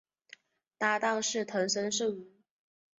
搭挡是藤森慎吾。